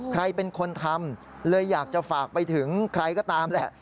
ใครเป็นคนทำเลยอยากจะฝากไปถึงใครก็ตามแหละ